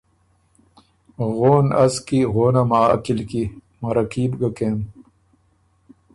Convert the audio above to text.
غون از کی غونم ا عقِل کی، مَرَکي بو ګه کېم۔